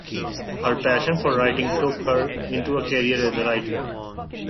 Her passion for writing took her into a career as a writer.